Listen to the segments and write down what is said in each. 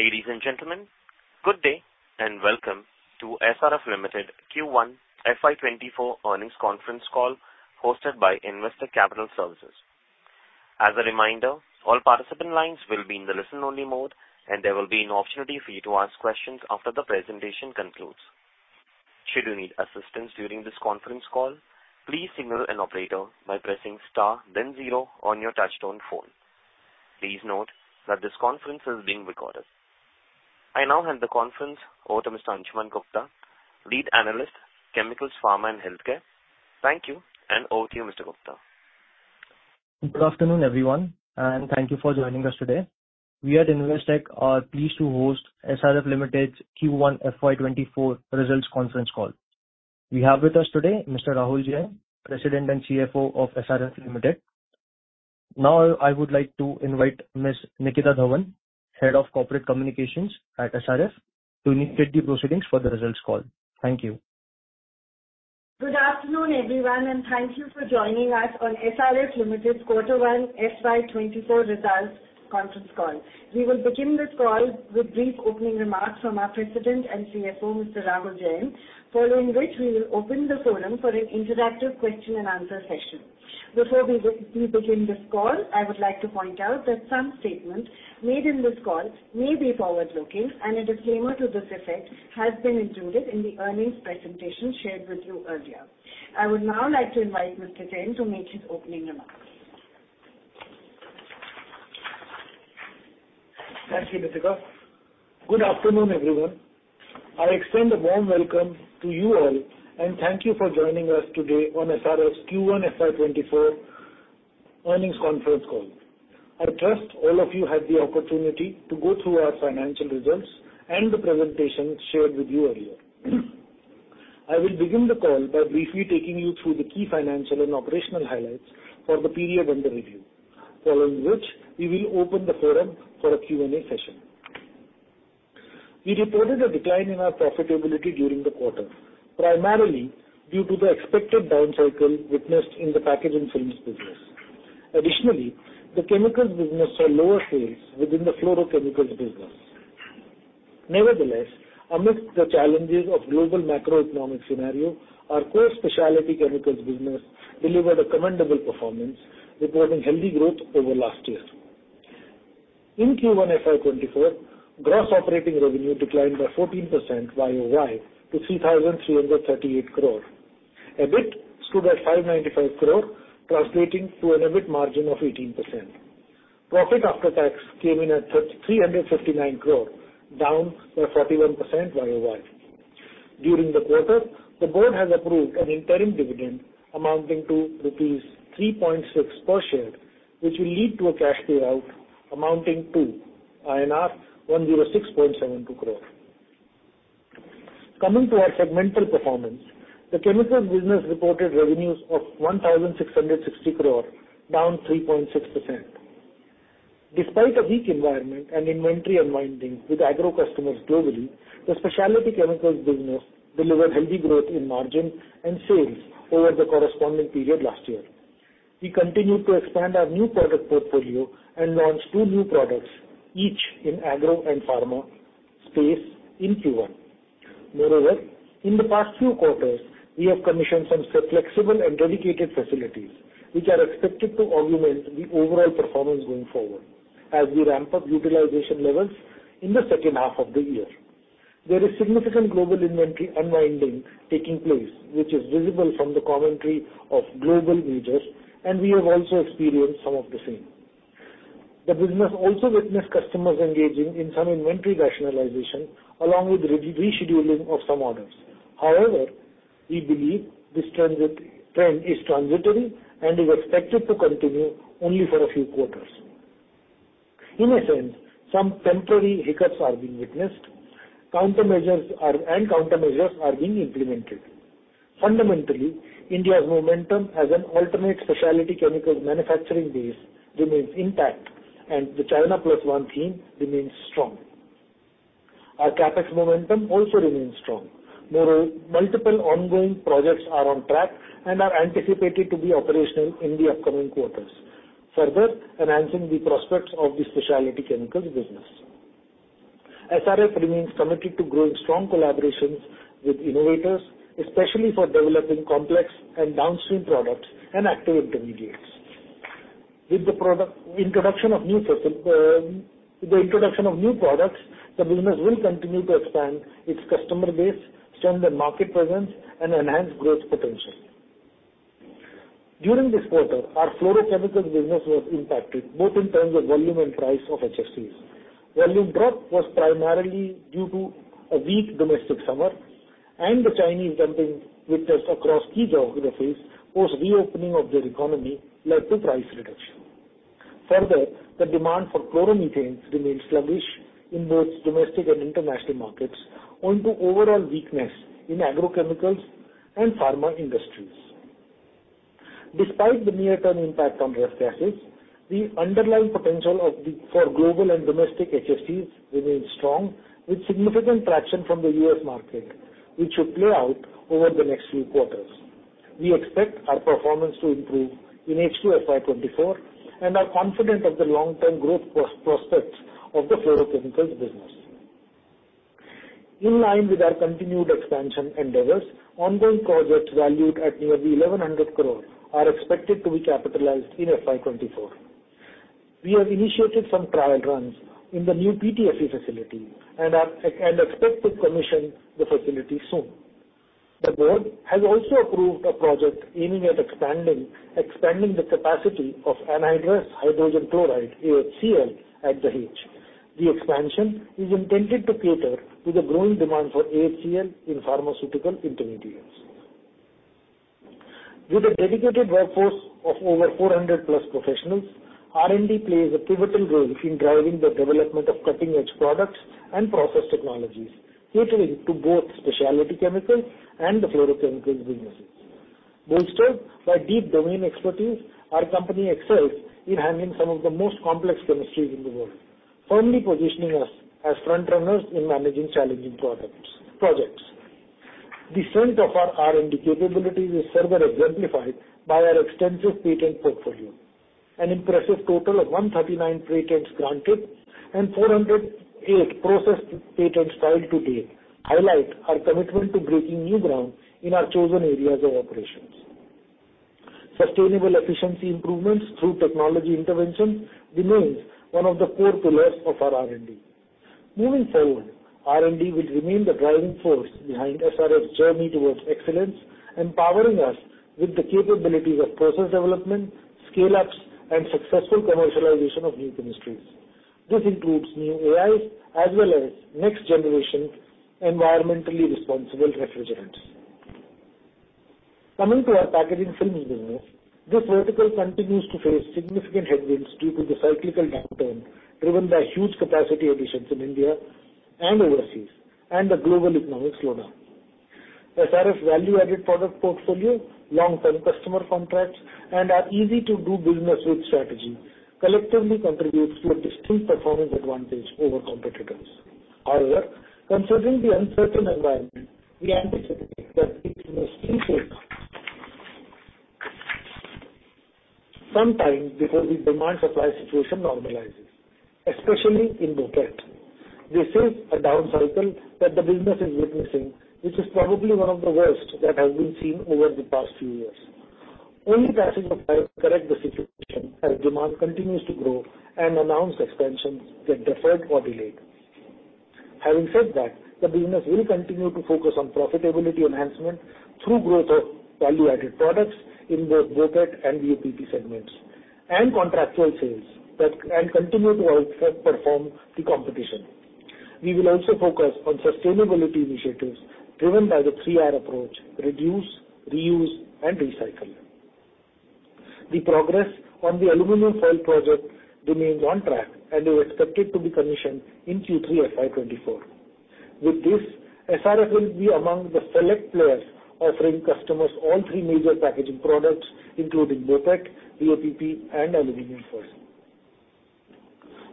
Ladies and gentlemen, good day. Welcome to SRF Limited Q1 FY 2024 earnings conference call, hosted by Investec Capital Services. As a reminder, all participant lines will be in the listen-only mode. There will be an opportunity for you to ask questions after the presentation concludes. Should you need assistance during this conference call, please signal an operator by pressing star, then zero on your touchtone phone. Please note that this conference is being recorded. I now hand the conference over to Mr. Anshuman Gupta, Lead Analyst, Chemicals, Pharma, and Healthcare. Thank you. Over to you, Mr. Gupta. Good afternoon, everyone, thank you for joining us today. We at Investec are pleased to host SRF Limited's Q1 FY 2024 results conference call. We have with us today Mr. Rahul Jain, President and CFO of SRF Limited. I would like to invite Ms. Nitika Dhawan, Head of Corporate Communications at SRF, to initiate the proceedings for the results call. Thank you. Good afternoon, everyone, and thank you for joining us on SRF Limited's Quarter 1 FY 2024 results conference call. We will begin this call with brief opening remarks from our President and CFO, Mr. Rahul Jain, following which we will open the forum for an interactive question and answer session. Before we begin this call, I would like to point out that some statements made in this call may be forward-looking, and a disclaimer to this effect has been included in the earnings presentation shared with you earlier. I would now like to invite Mr. Jain to make his opening remarks. Thank you, Nitika. Good afternoon, everyone. I extend a warm welcome to you all, and thank you for joining us today on SRF's Q1 FY 2024 earnings conference call. I trust all of you had the opportunity to go through our financial results and the presentation shared with you earlier. I will begin the call by briefly taking you through the key financial and operational highlights for the period under review, following which we will open the forum for a Q&A session. We reported a decline in our profitability during the quarter, primarily due to the expected down cycle witnessed in the packaging films business. Additionally, the chemicals business saw lower sales within the Fluorochemicals Business. Nevertheless, amidst the challenges of global macroeconomic scenario, our core Specialty Chemicals Business delivered a commendable performance, reporting healthy growth over last year. In Q1 FY 2024, gross operating revenue declined by 14% YOY to 3,338 crore. EBIT stood at 595 crore, translating to an EBIT margin of 18%. Profit after tax came in at 359 crore, down by 41% YOY. During the quarter, the board has approved an interim dividend amounting to rupees 3.6 per share, which will lead to a cash payout amounting to INR 106.72 crore. Coming to our segmental performance, the chemicals business reported revenues of 1,660 crore, down 3.6%. Despite a weak environment and inventory unwinding with agro customers globally, the Specialty Chemicals Business delivered healthy growth in margin and sales over the corresponding period last year. We continued to expand our new product portfolio and launched two new products, each in agro and pharma space in Q1. In the past few quarters, we have commissioned some flexible and dedicated facilities, which are expected to augment the overall performance going forward as we ramp up utilization levels in the second half of the year. There is significant global inventory unwinding taking place, which is visible from the commentary of global majors. We have also experienced some of the same. The business also witnessed customers engaging in some inventory rationalization, along with rescheduling of some orders. We believe this trend is transitory and is expected to continue only for a few quarters. In essence, some temporary hiccups are being witnessed. Countermeasures are being implemented. Fundamentally, India's momentum as an alternate specialty chemicals manufacturing base remains intact, and the China Plus One theme remains strong. Our CapEx momentum also remains strong. Moreover, multiple ongoing projects are on track and are anticipated to be operational in the upcoming quarters, further enhancing the prospects of the specialty chemicals business. SRF remains committed to growing strong collaborations with innovators, especially for developing complex and downstream products and active intermediates. With the introduction of new products, the business will continue to expand its customer base, strengthen market presence, and enhance growth potential. During this quarter, our fluorochemicals business was impacted both in terms of volume and price of HFCs. Volume drop was primarily due to a weak domestic summer, and the Chinese dumping witnessed across key geographies, post reopening of their economy led to price reduction. Further, the demand for chloromethane remained sluggish in both domestic and international markets owing to overall weakness in agrochemicals and pharma industries. Despite the near-term impact on risk assets, the underlying potential for global and domestic HFCs remains strong, with significant traction from the US market, which should play out over the next few quarters. We expect our performance to improve in H2 FY 2024, and are confident of the long-term growth prospects of the fluorochemicals business. In line with our continued expansion endeavors, ongoing projects valued at nearly 1,100 crore are expected to be capitalized in FY 2024. We have initiated some trial runs in the new PTFE facility and expect to commission the facility soon. The board has also approved a project aiming at expanding the capacity of anhydrous hydrogen chloride, HCl, at Dahej. The expansion is intended to cater to the growing demand for HCl in pharmaceutical intermediates. With a dedicated workforce of over 400 plus professionals, R&D plays a pivotal role in driving the development of cutting-edge products and process technologies, catering to both Specialty Chemicals and the Fluorochemicals businesses. Bolstered by deep domain expertise, our company excels in handling some of the most complex chemistries in the world, firmly positioning us as front runners in managing challenging projects. The strength of our R&D capabilities is further exemplified by our extensive patent portfolio. Impressive total of 139 patents granted and 408 process patents filed to date, highlight our commitment to breaking new ground in our chosen areas of operations. Sustainable efficiency improvements through technology intervention remains one of the core pillars of our R&D. Moving forward, R&D will remain the driving force behind SRF's journey towards excellence, empowering us with the capabilities of process development, scale-ups, and successful commercialization of new chemistries. This includes new AIs as well as next generation environmentally responsible refrigerants. Coming to our packaging films business, this vertical continues to face significant headwinds due to the cyclical downturn, driven by huge capacity additions in India and overseas, and the global economic slowdown. SRF's value-added product portfolio, long-term customer contracts, and our easy-to-do business with strategy, collectively contributes to a distinct performance advantage over competitors. Considering the uncertain environment, we anticipate that it may still take some time before the demand-supply situation normalizes, especially in BOPET. This is a down cycle that the business is witnessing, which is probably one of the worst that has been seen over the past few years. Only passage of time correct the situation as demand continues to grow and announced expansions get deferred or delayed. Having said that, the business will continue to focus on profitability enhancement through growth of value-added products in both BOPET and BOPP segments, and contractual sales, and continue to outperform the competition. We will also focus on sustainability initiatives driven by the three R approach: reduce, reuse, and recycle. The progress on the Aluminium foil project remains on track and is expected to be commissioned in Q3 FY 2024. With this, SRF will be among the select players offering customers all three major packaging products, including BOPET, BOPP, and Aluminium foil.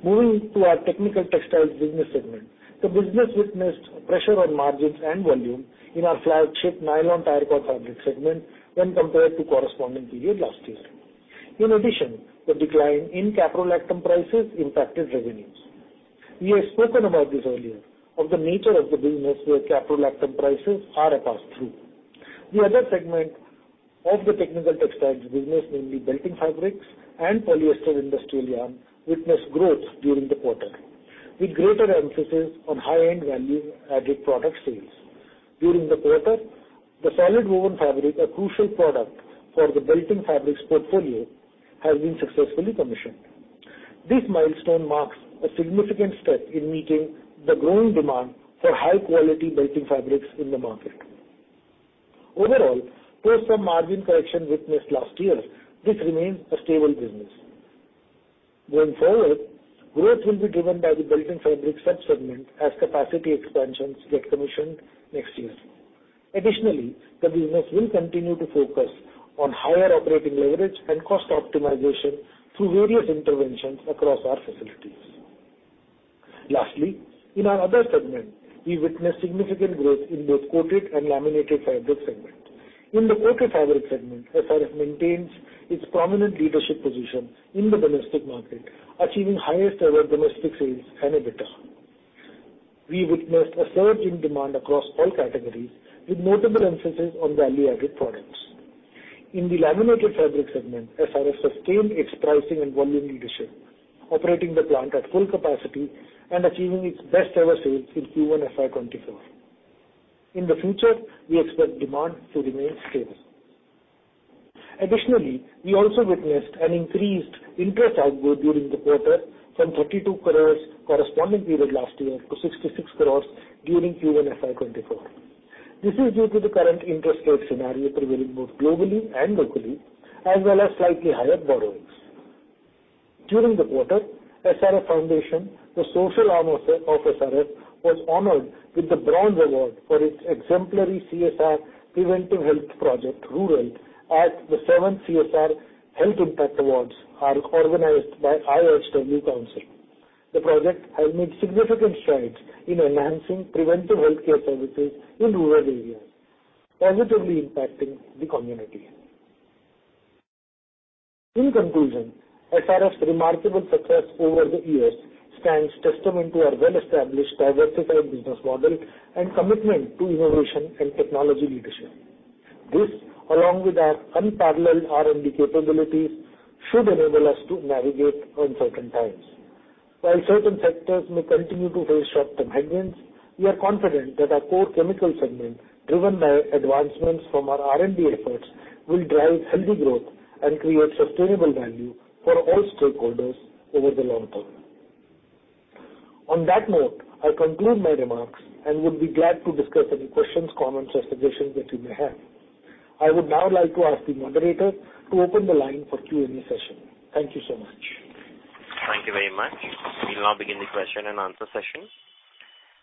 Moving to our technical textiles business segment. The business witnessed pressure on margins and volume in our flagship Nylon Tyre Cord Fabric segment when compared to corresponding period last year. In addition, the decline in caprolactam prices impacted revenues. We have spoken about this earlier, of the nature of the business, where caprolactam prices are a pass-through. The other segment of the technical textiles business, namely belting fabrics and Polyester Industrial Yarn, witnessed growth during the quarter, with greater emphasis on high-end value-added product sales. During the quarter, the solid woven fabric, a crucial product for the belting fabrics portfolio, has been successfully commissioned. This milestone marks a significant step in meeting the growing demand for high-quality belting fabrics in the market. Overall, post some margin correction witnessed last year, this remains a stable business. Going forward, growth will be driven by the belting fabrics sub-segment as capacity expansions get commissioned next year. Additionally, the business will continue to focus on higher operating leverage and cost optimization through various interventions across our facilities. Lastly, in our other segment, we witnessed significant growth in both coated and laminated fabric segment. In the coated fabric segment, SRF maintains its prominent leadership position in the domestic market, achieving highest ever domestic sales and EBITDA. We witnessed a surge in demand across all categories, with notable emphasis on value-added products. In the laminated fabric segment, SRF sustained its pricing and volume leadership, operating the plant at full capacity and achieving its best ever sales in Q1 FY24. In the future, we expect demand to remain stable. Additionally, we also witnessed an increased interest outflow during the quarter from 32 crores corresponding period last year to 66 crores during Q1 FY24. This is due to the current interest rate scenario prevailing both globally and locally, as well as slightly higher borrowings. During the quarter, SRF Foundation, the social arm of SRF, was honored with the Bronze Award for its exemplary CSR preventive health project, Rural, at the seventh CSR Health Impact Awards, are organized by IHW Council. The project has made significant strides in enhancing preventive health care services in rural areas, positively impacting the community. In conclusion, SRF's remarkable success over the years stands testament to our well-established, diversified business model and commitment to innovation and technology leadership. This, along with our unparalleled R&D capabilities, should enable us to navigate uncertain times. While certain sectors may continue to face short-term headwinds, we are confident that our core chemical segment, driven by advancements from our R&D efforts, will drive healthy growth and create sustainable value for all stakeholders over the long term. On that note, I conclude my remarks and would be glad to discuss any questions, comments, or suggestions that you may have. I would now like to ask the moderator to open the line for Q&A session. Thank you so much. Thank you very much. We'll now begin the question and answer session.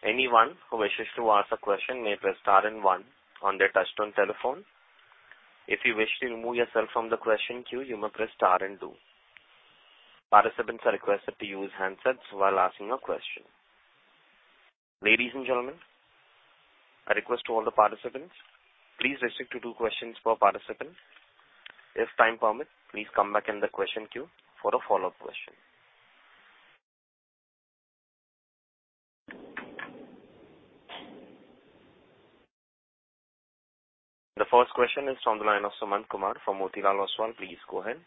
Anyone who wishes to ask a question may press star and one on their touchtone telephone. If you wish to remove yourself from the question queue, you may press star and two. Participants are requested to use handsets while asking a question. Ladies and gentlemen, I request all the participants, please restrict to two questions per participant. If time permits, please come back in the question queue for a follow-up question. The first question is from the line of Sumant Kumar from Motilal Oswal. Please go ahead.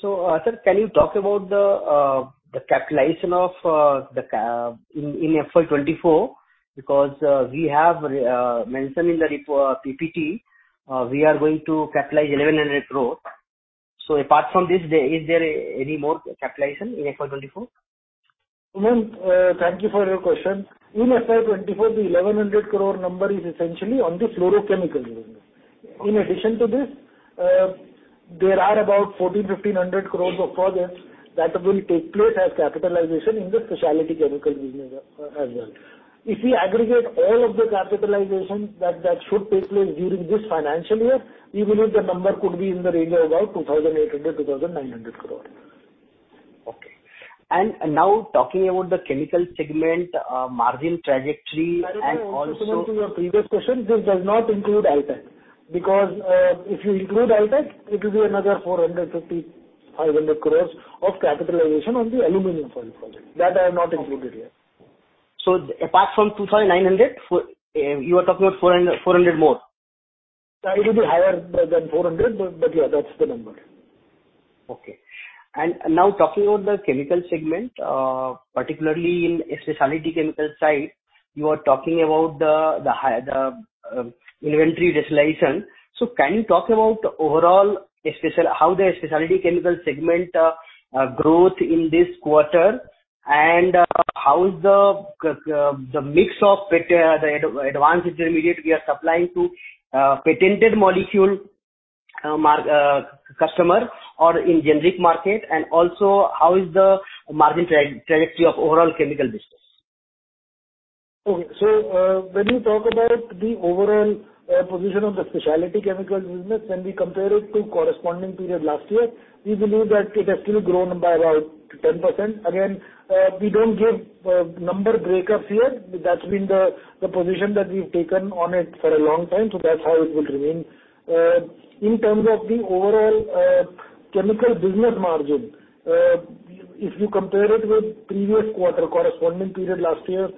sir, can you talk about the capitalization of the CapEx in FY 2024? Because we have mentioned in the PPT we are going to capitalize 1,100 crores. apart from this, is there any more capitalization in FY 2024? Sumant, thank you for your question. In FY 2024, the 1,100 crore number is essentially on the Fluorochemicals Business. In addition to this, there are about 1,400-1,500 crore of projects that will take place as capitalization in the Specialty Chemicals Business as well. If we aggregate all of the capitalizations that should take place during this financial year, we believe the number could be in the range of about 2,800-2,900 crore. Okay. Now talking about the chemical segment, margin trajectory. Similar to your previous question, this does not include Altech, because, if you include Altech, it will be another 450-500 crore of capitalization on the aluminum foil project. That I have not included here. Apart from 2,900, for, you are talking about 400 more? It will be higher than 400, but, yeah, that's the number. Okay. Now talking about the chemical segment, particularly in a specialty chemical side, you are talking about inventory realization. Can you talk about overall how the specialty chemical segment growth in this quarter, and how is the mix of the advanced intermediate we are supplying to patented molecule customer or in generic market? Also, how is the margin trajectory of overall chemical business? Okay. When you talk about the overall position of the Specialty Chemicals Business, when we compare it to corresponding period last year, we believe that it has still grown by about 10%. Again, we don't give number breakups here. That's been the position that we've taken on it for a long time, so that's how it will remain. In terms of the overall chemical business margin, if you compare it with previous quarter corresponding period last year,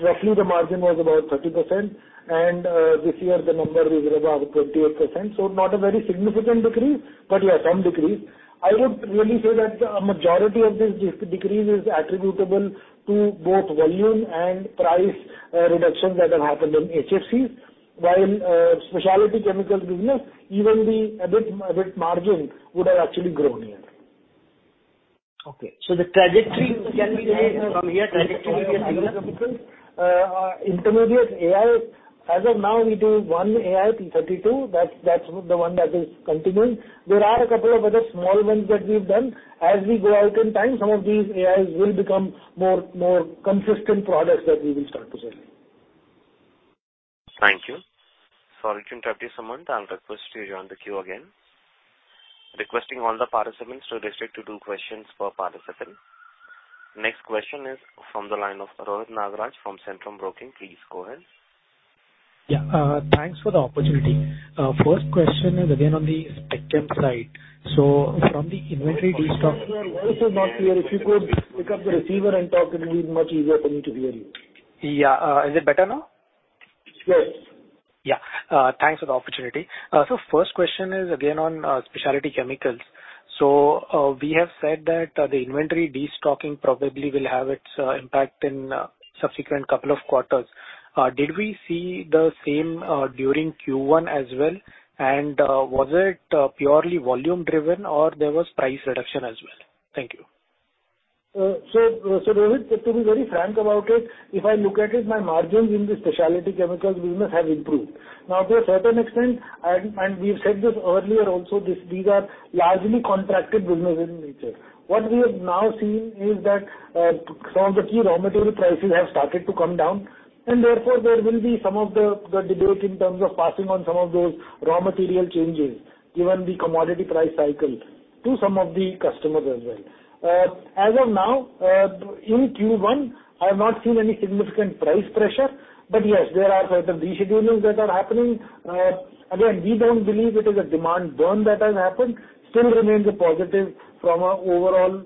roughly the margin was about 30%, and this year the number is about 28%. Not a very significant decrease, but, yeah, some decrease. I would really say that a majority of this decrease is attributable to both volume and price, reductions that have happened in HFCs, while, Specialty Chemicals Business, even the EBITDA margin would have actually grown here. The trajectory, can we say from here, trajectory is similar? intermediates, AIs, as of now, it is 1 AI, P 32. That's the one that is continuing. There are a couple of other small ones that we've done. As we go out in time, some of these AIs will become more, more consistent products that we will start to sell. Thank you. Sorry to interrupt you, Suman, I'll request you to join the queue again. Requesting all the participants to restrict to two questions per participant. Next question is from the line of Rohit Nagraj from Centrum Broking. Please go ahead. Yeah, thanks for the opportunity. First question is again on the spectrum side. From the inventory Voice is not clear. If you could pick up the receiver and talk, it will be much easier for me to hear you. Yeah, is it better now? Yes. Yeah. Thanks for the opportunity. First question is again on Specialty Chemicals. We have said that the inventory destocking probably will have its impact in subsequent couple of quarters. Did we see the same during Q1 as well? Was it purely volume driven or there was price reduction as well? Thank you. Rohit, to be very frank about it, if I look at it, my margins in the specialty chemicals business have improved. Now, to a certain extent, and we've said this earlier also, these are largely contracted businesses in nature. What we have now seen is that some of the key raw material prices have started to come down. Therefore, there will be some of the debate in terms of passing on some of those raw material changes, given the commodity price cycle to some of the customers as well. As of now, in Q1, I have not seen any significant price pressure, but yes, there are certain reschedules that are happening. Again, we don't believe it is a demand burn that has happened, still remains a positive from our overall,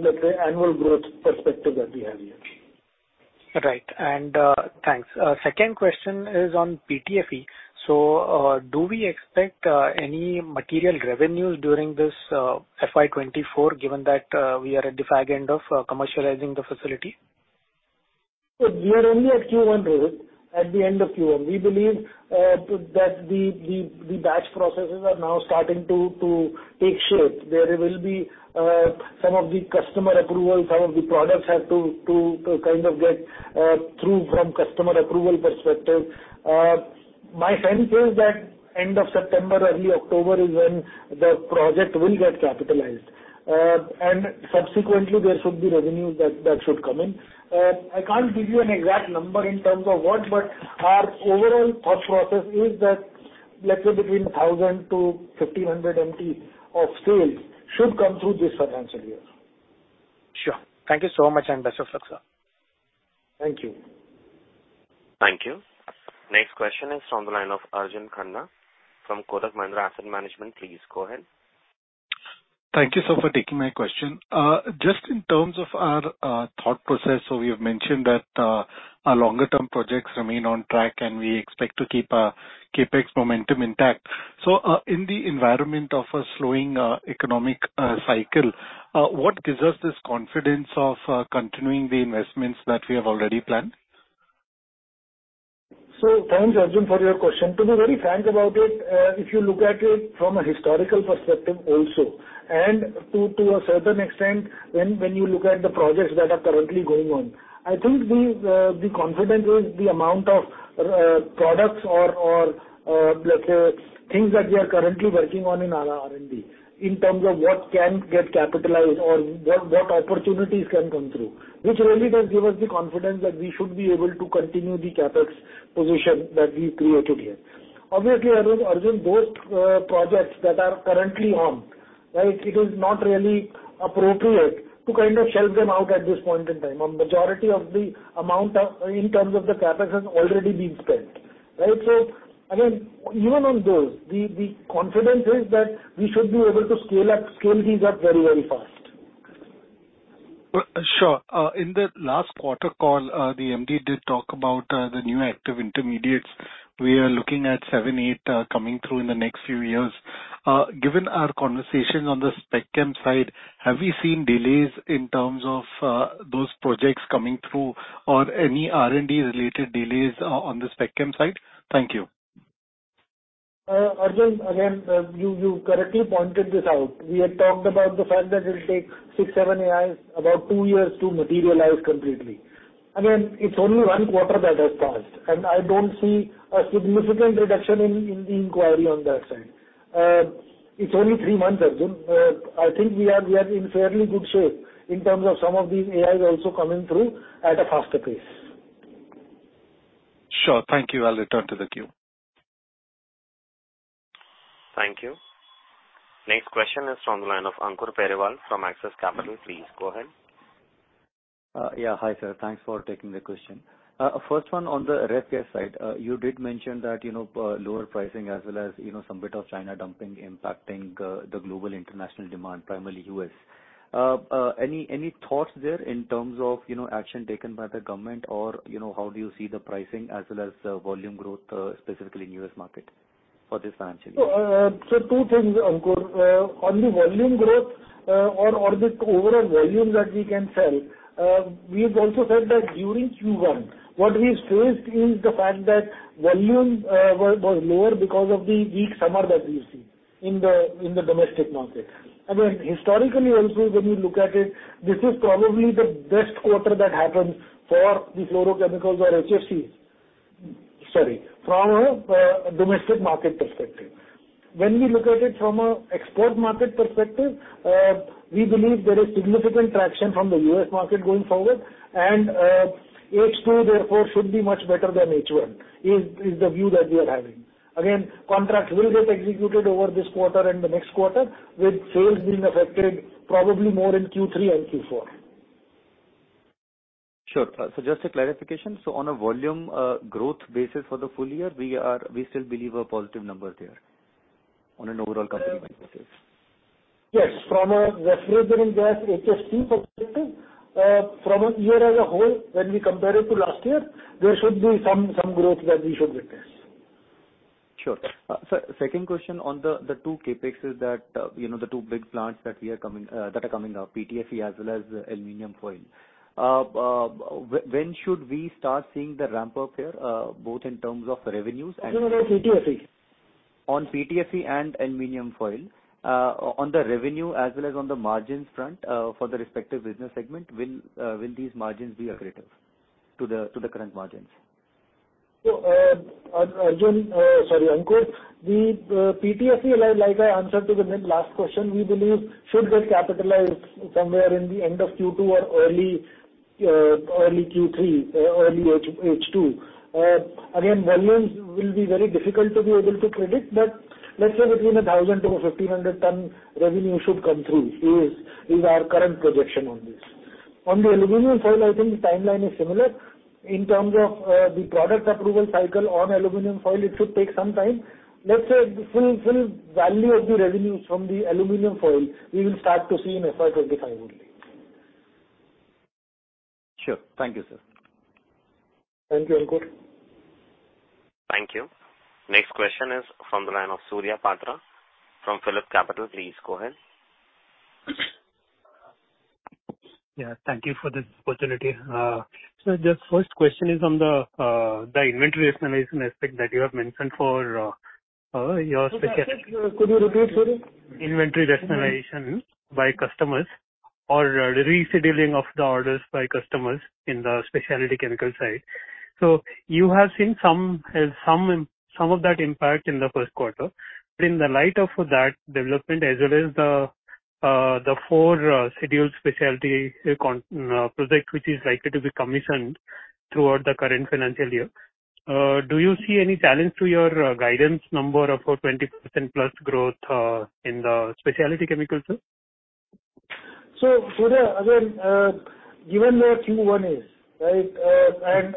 let's say, annual growth perspective that we have here. Right, thanks. Second question is on PTFE. Do we expect any material revenues during this FY 2024, given that we are at the fag end of commercializing the facility? We are only at Q1, Rohit, at the end of Q1. We believe that the batch processes are now starting to take shape. There will be some of the customer approval, some of the products have to kind of get through from customer approval perspective. My sense is that end of September, early October, is when the project will get capitalized. Subsequently, there should be revenues that should come in. I can't give you an exact number in terms of what, but our overall thought process is that, let's say between 1,000-1,500 MT of sales should come through this financial year. Sure. Thank you so much, and best of luck, sir. Thank you. Thank you. Next question is from the line of Arjun Khanna from Kotak Mahindra Asset Management. Please, go ahead. Thank you, sir, for taking my question. Just in terms of our thought process, we have mentioned that our longer-term projects remain on track, and we expect to keep our CapEx momentum intact. In the environment of a slowing economic cycle, what gives us this confidence of continuing the investments that we have already planned? Thanks, Arjun, for your question. To be very frank about it, if you look at it from a historical perspective also, to a certain extent, when you look at the projects that are currently going on, I think we, the confidence is the amount of products or, let's say, things that we are currently working on in our R&D, in terms of what can get capitalized or what opportunities can come through, which really does give us the confidence that we should be able to continue the CapEx position that we've created here. Obviously, Arjun, those projects that are currently on, right? It is not really appropriate to kind of shelve them out at this point in time. A majority of the amount in terms of the CapEx has already been spent, right? Again, even on those, the confidence is that we should be able to scale these up very, very fast. Sure. In the last quarter call, the MD did talk about the new active intermediates. We are looking at seven, eight coming through in the next few years. Given our conversations on the Spec Chem side, have we seen delays in terms of those projects coming through or any R&D related delays on the Spec Chem side? Thank you. Arjun, again, you correctly pointed this out. We had talked about the fact that it'll take six, seven AIs about two years to materialize completely. Again, it's only one quarter that has passed, and I don't see a significant reduction in the inquiry on that side. It's only three months, Arjun. I think we are in fairly good shape in terms of some of these AIs also coming through at a faster pace. Sure. Thank you. I'll return to the queue. Thank you. Next question is from the line of Ankur Periwal from Axis Capital. Please, go ahead. Yeah. Hi, sir. Thanks for taking the question. First one, on the Ref Gas side, you did mention that, you know, lower pricing as well as, you know, some bit of China dumping impacting the global international demand, primarily U.S. Any, any thoughts there in terms of, you know, action taken by the government or, you know, how do you see the pricing as well as volume growth specifically in U.S. market for this financial year? Two things, Ankur. On the volume growth, or the overall volume that we can sell, we've also said that during Q1, what we faced is the fact that volume was lower because of the weak summer that we've seen in the domestic market. Historically also, when you look at it, this is probably the best quarter that happened for the fluorochemicals or HFCs. Sorry, from a domestic market perspective. When we look at it from a export market perspective, we believe there is significant traction from the US market going forward, H2, therefore, should be much better than H1, is the view that we are having. Contracts will get executed over this quarter and the next quarter, with sales being affected probably more in Q3 and Q4. Sure. Just a clarification. On a volume, growth basis for the full year, we still believe a positive number there on an overall company basis? Yes. From a refrigerating gas, HFC perspective, from a year as a whole, when we compare it to last year, there should be some growth that we should witness. Sure. sir, second question on the two CapExes that the two big plants that are coming up, PTFE as well as Aluminium foil. When should we start seeing the ramp-up here, both in terms of revenues and? You mean the PTFE? On PTFE and Aluminium foil, on the revenue as well as on the margins front, for the respective business segment, when will these margins be accretive to the current margins? Arjun, sorry, Ankur, the PTFE, like I answered to the last question, we believe should get capitalized somewhere in the end of Q2 or early Q3, or early H2. Again, volumes will be very difficult to be able to predict, but let's say between 1,000-1,500 ton revenue should come through, is our current projection on this. On the Aluminium foil, I think the timeline is similar. In terms of the product approval cycle on Aluminium foil, it should take some time. Let's say, the full value of the revenues from the Aluminium foil, we will start to see in FY 2025 only. Sure. Thank you, sir. Thank you, Ankur. Thank you. Next question is from the line of Surya Patra from PhillipCapital. Please go ahead. Yeah, thank you for this opportunity. The first question is on the inventory rationalization aspect that you have mentioned for. Could you repeat, Surya? Inventory rationalization by customers or rescheduling of the orders by customers in the Specialty Chemicals side. You have seen some impact in the first quarter. In the light of that development, as well as the four scheduled specialty project, which is likely to be commissioned throughout the current financial year, do you see any challenge to your guidance number of a 20% plus growth in the Specialty Chemicals, sir? Surya, again, given where Q1 is, right,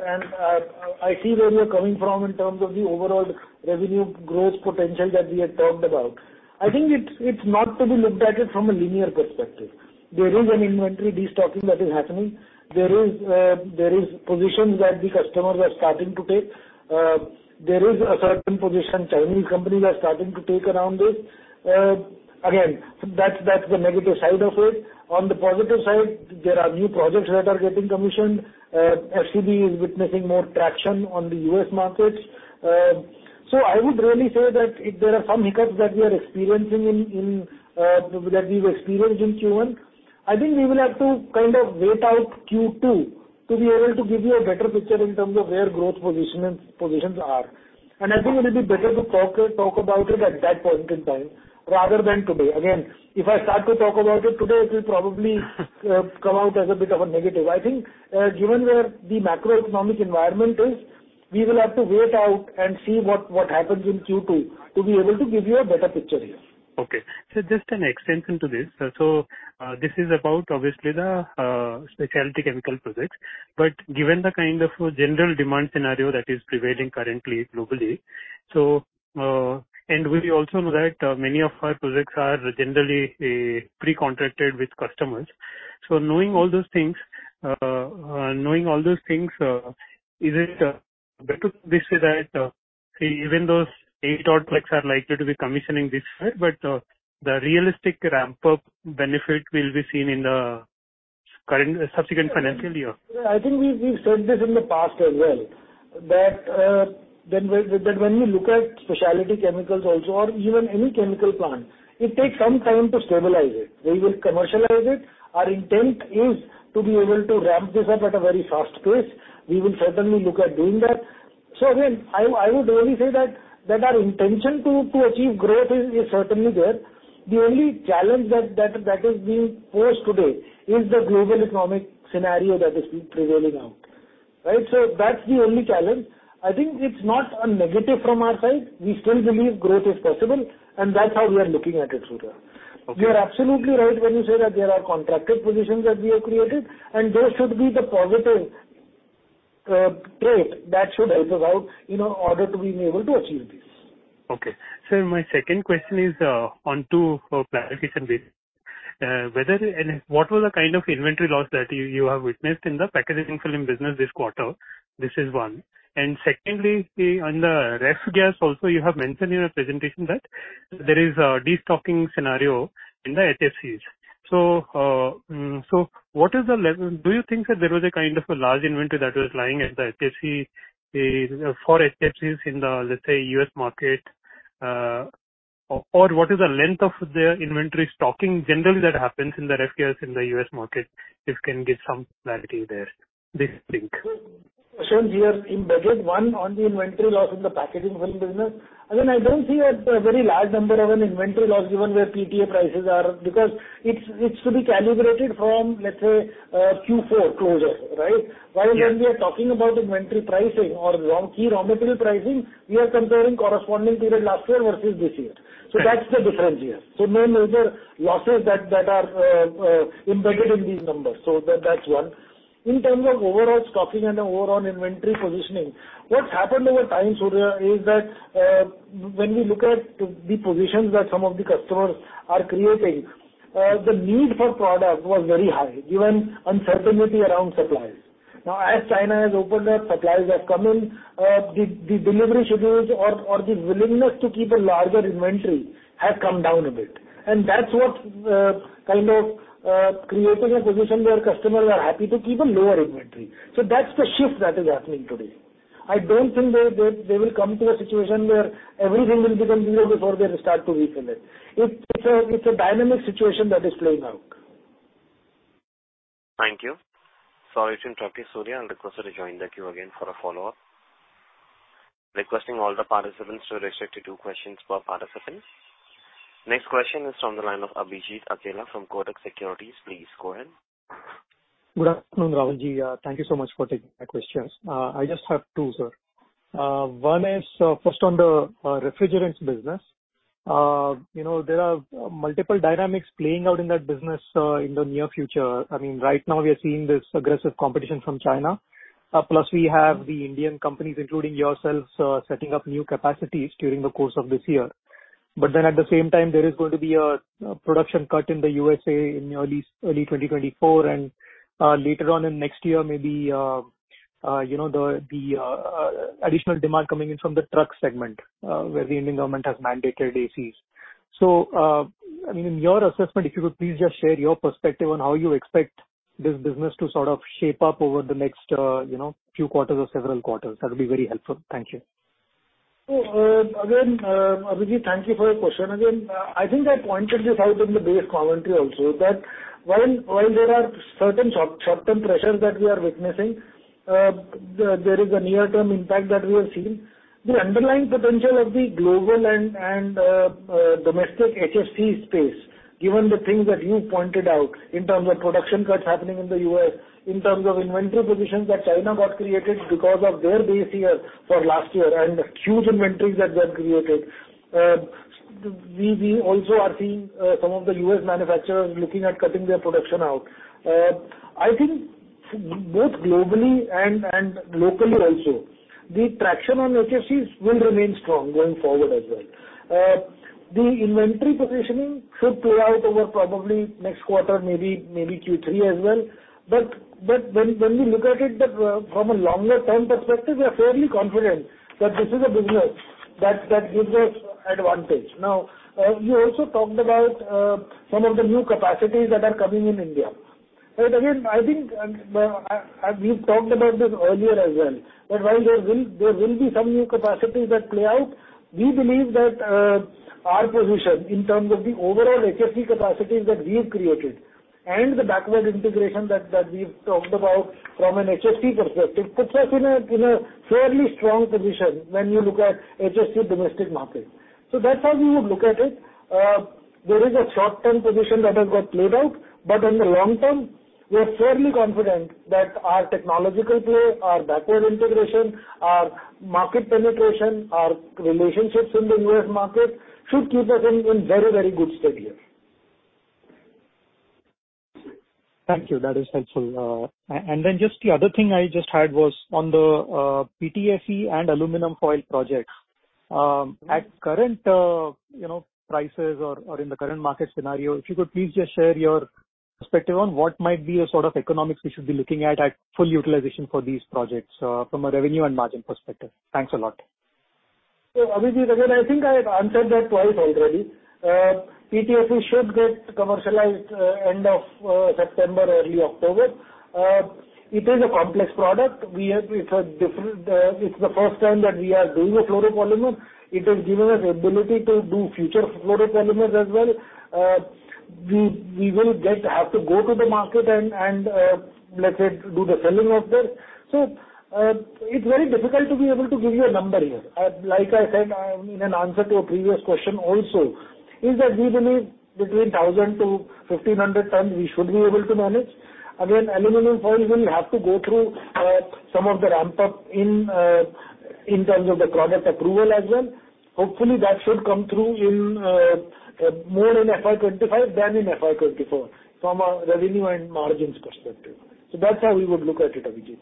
I see where you're coming from in terms of the overall revenue growth potential that we had talked about. I think it's not to be looked at it from a linear perspective. There is an inventory destocking that is happening. There is positions that the customers are starting to take. There is a certain position Chinese companies are starting to take around this. Again, that's the negative side of it. On the positive side, there are new projects that are getting commissioned. FCB is witnessing more traction on the U.S. markets. I would really say that if there are some hiccups that we are experiencing in that we've experienced in Q1, I think we will have to kind of wait out Q2 to be able to give you a better picture in terms of where growth position and positions are. I think it will be better to talk about it at that point in time, rather than today. If I start to talk about it today, it will probably come out as a bit of a negative. I think, given where the macroeconomic environment is, we will have to wait out and see what happens in Q2 to be able to give you a better picture here. Okay. Just an extension to this. This is about obviously the specialty chemical projects, but given the kind of general demand scenario that is prevailing currently globally, and we also know that many of our projects are generally pre-contracted with customers. Knowing all those things, is it better to say that even those 8 odd projects are likely to be commissioning this year, but the realistic ramp-up benefit will be seen in the current, subsequent financial year? I think we've said this in the past as well, that when we look at specialty chemicals also, or even any chemical plant, it takes some time to stabilize it. We will commercialize it. Our intent is to be able to ramp this up at a very fast pace. We will certainly look at doing that. Again, I would really say that our intention to achieve growth is certainly there. The only challenge that is being posed today is the global economic scenario that is prevailing out. Right? That's the only challenge. I think it's not a negative from our side. We still believe growth is possible, and that's how we are looking at it, Surya. Okay. You're absolutely right when you say that there are contracted positions that we have created. There should be the positive trait that should help us out in order to be able to achieve this. Okay. Sir, my second question is on two clarifications with. Whether and what was the kind of inventory loss that you have witnessed in the packaging film business this quarter? This is one. Secondly, on the Ref Gas also, you have mentioned in your presentation that there is a destocking scenario in the HFCs. What is the level? Do you think that there was a kind of a large inventory that was lying at the HFCs, for HFCs in the, let's say, U.S. market? What is the length of their inventory stocking generally that happens in the Ref Gas in the U.S. market? If you can give some clarity there, this link. Sure. Here in budget, one, on the inventory loss in the packaging film business, again, I don't see a very large number of an inventory loss given where PTA prices are, because it's to be calibrated from, let's say, Q4 closure, right? Yes. While when we are talking about inventory pricing or long-key raw material pricing, we are comparing corresponding period last year versus this year. That's the difference here. No major losses that are embedded in these numbers. That's one. In terms of overall stocking and overall inventory positioning, what's happened over time, Surya, is that when we look at the positions that some of the customers are creating, the need for product was very high, given uncertainty around suppliers. As China has opened up, suppliers have come in, the delivery schedules or the willingness to keep a larger inventory has come down a bit. That's what kind of creating a position where customers are happy to keep a lower inventory. That's the shift that is happening today. I don't think they will come to a situation where everything will get below before they start to refill it. It's a dynamic situation that is playing out. Thank you. Sorry to interrupt you, Surya. I'm requested to join the queue again for a follow-up. Requesting all the participants to restrict to two questions per participant. Next question is from the line of Abhijit Akella from Kotak Securities. Please go ahead. Good afternoon, Rahulji. Thank you so much for taking my questions. I just have two, sir. One is first on the refrigerants business. You know, there are multiple dynamics playing out in that business in the near future. I mean, right now, we are seeing this aggressive competition from China, plus we have the Indian companies, including yourselves, setting up new capacities during the course of this year. At the same time, there is going to be a production cut in the USA in early 2024, later on in next year, maybe, you know, the additional demand coming in from the truck segment, where the Indian government has mandated ACs. I mean, in your assessment, if you could please just share your perspective on how you expect this business to sort of shape up over the next, you know, few quarters or several quarters. That'll be very helpful. Thank you. Again, Abhijit, thank you for your question. Again, I think I pointed this out in the base commentary also, that while there are certain short-term pressures that we are witnessing, there is a near-term impact that we have seen. The underlying potential of the global and domestic HFC space, given the things that you pointed out in terms of production cuts happening in the U.S., in terms of inventory positions that China got created because of their base year for last year and huge inventories that got created. We also are seeing some of the U.S. manufacturers looking at cutting their production out. I think both globally and locally also, the traction on HFCs will remain strong going forward as well. The inventory positioning should play out over probably next quarter, maybe Q3 as well. When we look at it that, from a longer term perspective, we are fairly confident that this is a business that gives us advantage. You also talked about some of the new capacities that are coming in India. Again, I think, and we've talked about this earlier as well, that while there will be some new capacities that play out, we believe that our position in terms of the overall HFC capacities that we've created and the backward integration that we've talked about from an HFC perspective, puts us in a fairly strong position when you look at HFC domestic market. That's how we would look at it. There is a short-term position that has got played out, but in the long term, we are fairly confident that our technological play, our backward integration, our market penetration, our relationships in the U.S. market should keep us in very good stead here. Thank you. That is helpful. Just the other thing I just had was on the PTFE and Aluminium foil projects. At current, you know, prices or in the current market scenario, if you could please just share your perspective on what might be a sort of economics we should be looking at full utilization for these projects, from a revenue and margin perspective. Thanks a lot. Abhijit, again, I think I have answered that twice already. PTFE should get commercialized end of September, early October. It is a complex product. It's a different, it's the first time that we are doing a fluoropolymer. It has given us ability to do future fluoropolymers as well. We will get, have to go to the market and, let's say, do the selling of that. It's very difficult to be able to give you a number here. Like I said, in an answer to a previous question also, is that we believe between 1,000-1,500 tons, we should be able to manage. Aluminium foil will have to go through some of the ramp-up in terms of the product approval as well. Hopefully, that should come through in more in FY 2025 than in FY 2024, from a revenue and margins perspective. That's how we would look at it, Abhijit.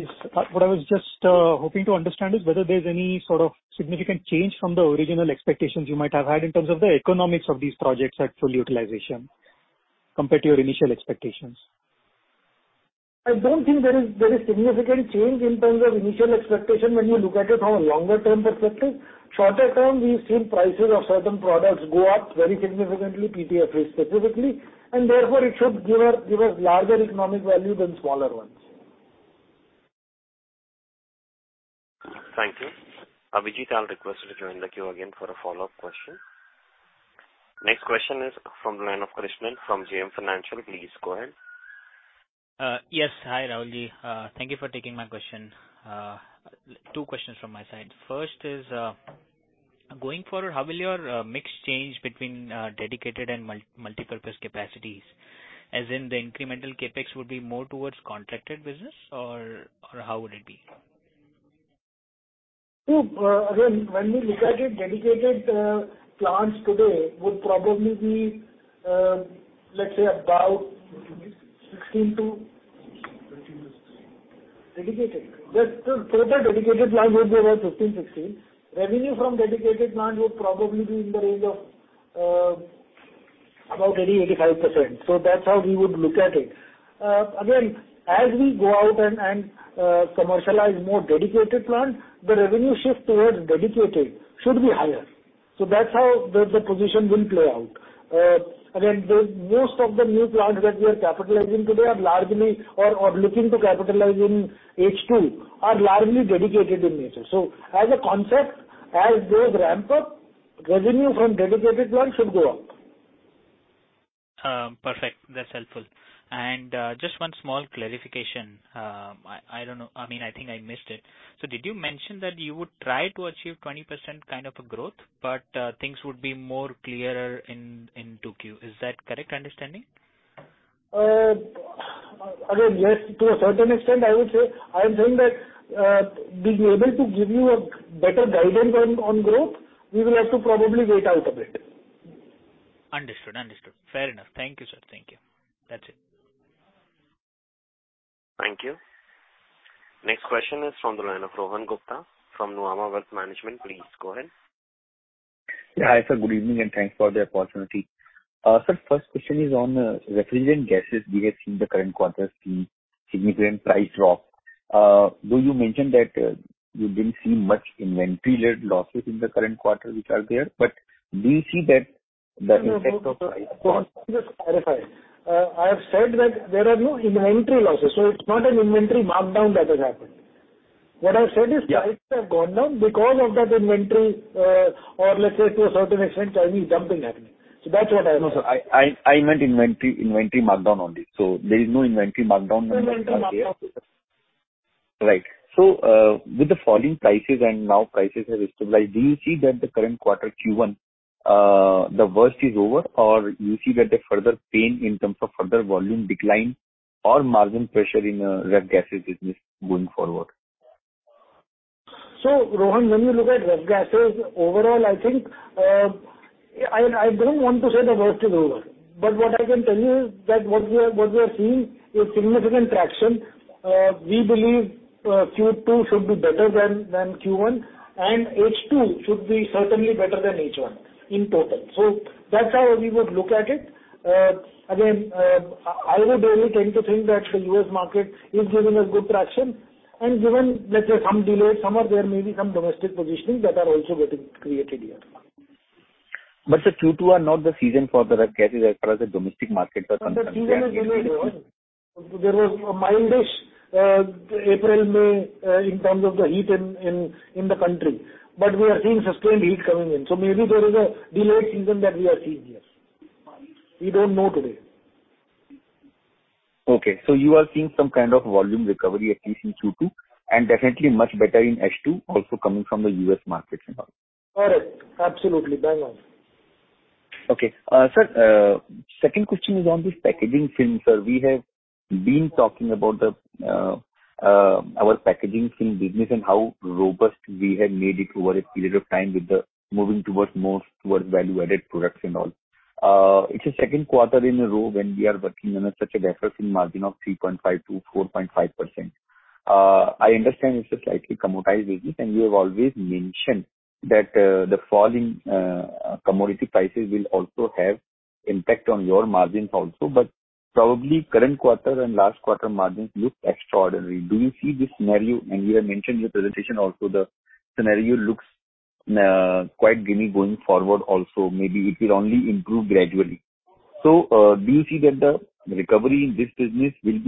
Yes. What I was just hoping to understand is whether there's any sort of significant change from the original expectations you might have had in terms of the economics of these projects at full utilization, compared to your initial expectations. I don't think there is significant change in terms of initial expectation when you look at it from a longer-term perspective. Shorter term, we've seen prices of certain products go up very significantly, PTFE specifically, and therefore, it should give us larger economic value than smaller ones. Thank you. Abhijit, I'll request you to join the queue again for a follow-up question. Next question is from the line of Krishan from JM Financial. Please go ahead. Yes. Hi, Rahul Jain. Thank you for taking my question. Two questions from my side. First is, going forward, how will your mix change between dedicated and multipurpose capacities, as in the incremental CapEx would be more towards contracted business or how would it be? Again, when we look at it, dedicated, plants today would probably be, let's say, about 16. Twenty-six. Dedicated. Just the total dedicated plant would be about 15, 16. Revenue from dedicated plant would probably be in the range of about 80%-85%. That's how we would look at it. Again, as we go out and commercialize more dedicated plants, the revenue shift towards dedicated should be higher. That's how the position will play out. Again, the most of the new plants that we are capitalizing today are largely or looking to capitalize in H2, are largely dedicated in nature. As a concept, as they ramp up, revenue from dedicated one should go up. Perfect. That's helpful. Just one small clarification. I don't know. I mean, I think I missed it. Did you mention that you would try to achieve 20% kind of a growth, but things would be more clearer in 2Q? Is that correct understanding? Yes, to a certain extent, I would say, I'm saying that, being able to give you a better guidance on growth, we will have to probably wait out a bit. Understood. Understood. Fair enough. Thank you, sir. Thank you. That's it. Thank you. Next question is from the line of Rohan Gupta from Nuvama Wealth Management. Please go ahead. Yeah, hi, sir, good evening, thanks for the opportunity. Sir, first question is on refrigerant gases. We have seen the current quarter see significant price drop. Though you mentioned that you didn't see much inventory-led losses in the current quarter, which are there, do you see that the impact of? Just to clarify, I have said that there are no inventory losses, so it's not an inventory markdown that has happened. What I've said is. Yeah. Prices have gone down because of that inventory, or let's say, to a certain extent, there is jumping happening. That's what I know. No, sir, I meant inventory markdown only. There is no inventory markdown? No inventory markdown. Right. With the falling prices and now prices have stabilized, do you see that the current quarter Q1, the worst is over, or you see that a further pain in terms of further volume decline or margin pressure in, Ref Gas business going forward? Rohan, when you look at Ref Gas, overall, I think, I don't want to say the worst is over, but what I can tell you is that what we are seeing is significant traction. We believe, Q2 should be better than Q1, and H2 should be certainly better than H1 in total. That's how we would look at it. Again, I would really tend to think that the U.S. market is giving a good traction and given, let's say, some delays, there may be some domestic positioning that are also getting created here. The Q2 are not the season for the Ref Gas as far as the domestic market are concerned. The season is over, Rohan. There was a mild-ish April, May in terms of the heat in the country, we are seeing sustained heat coming in. Maybe there is a delayed season that we are seeing here. We don't know today. You are seeing some kind of volume recovery, at least in Q2, and definitely much better in H2, also coming from the U.S. markets as well? Correct. Absolutely, bang on. Okay. Sir, second question is on this packaging film, sir. We have been talking about our packaging film business and how robust we had made it over a period of time with the moving towards more towards value-added products and all. It's a second quarter in a row when we are working on such a deficit margin of 3.5%-4.5%. I understand it's a slightly commoditized business, and you have always mentioned that the falling commodity prices will also have impact on your margins also, but probably current quarter and last quarter margins look extraordinary. Do you see this scenario? You have mentioned in your presentation also the scenario looks quite gloomy going forward also. Maybe it will only improve gradually. Do you see that the recovery in this business will